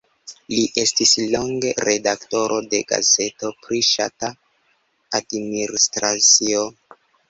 Li estis longe redaktoro de gazeto pri ŝtata adminisracio.